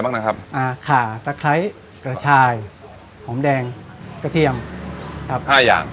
นะครับอ่าค่ะตะไคร้กระชายหอมแดงกระเทียมครับห้าอย่าง